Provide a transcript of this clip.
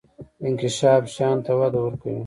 انکشاف شیانو ته وده ورکوي.